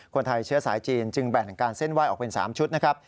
คนไทยเชื้อสายจีนจึงแบ่งการเส้นไหว้ออกเป็น๓ชุดนะครับ